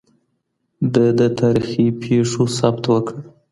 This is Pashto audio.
ده د تاريخي پېښو ثبت وکړ